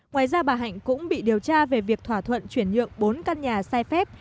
ngoài ra bà hạnh cũng bị điều tra về việc thỏa thuận chuyển nhượng bốn căn nhà sai phép